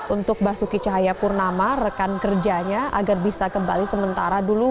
untuk basuki cahayapurnama rekan kerjanya agar bisa kembali sementara dulu